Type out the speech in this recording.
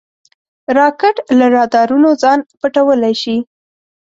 راکټ له رادارونو ځان پټولی شي